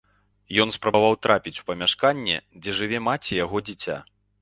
Ён спрабаваў трапіць у памяшканне, дзе жыве маці яго дзіця.